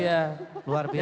sebelas ya luar biasa